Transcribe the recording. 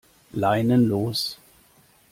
Leinen los!